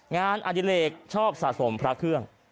อดิเลกชอบสะสมพระเครื่อง